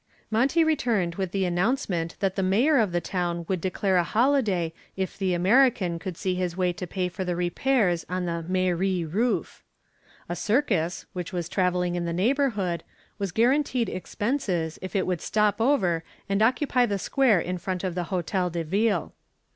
Monty returned with the announcement that the mayor of the town would declare a holiday if the American could see his way to pay for the repairs on the mairie roof. A circus, which was traveling in the neighborhood, was guaranteed expenses if it would stop over and occupy the square in front of the Hotel de Ville.